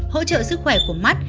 hỗ trợ sức khỏe của mắt